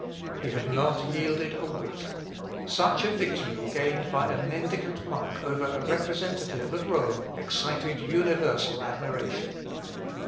He had not yielded a whit. Such a victory gained by a mendicant monk over a representative of Rome, excited universal admiration.